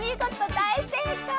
だいせいかい！